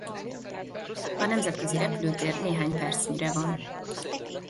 A nemzetközi repülőtér néhány percnyire van.